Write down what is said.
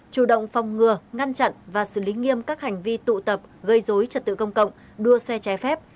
chủ động phòng ngừa ngăn chặn và xử lý nghiêm các hành vi tụ tập gây dối trật tự công cộng đua xe trái phép